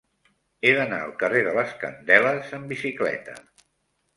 He d'anar al carrer de les Candeles amb bicicleta.